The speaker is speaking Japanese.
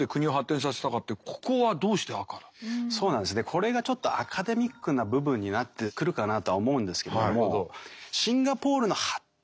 これがちょっとアカデミックな部分になってくるかなとは思うんですけれども。